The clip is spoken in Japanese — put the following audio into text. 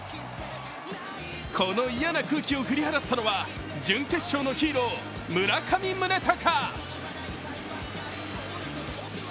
この嫌な空気を振り払ったのは準決勝のヒーロー・村上宗隆。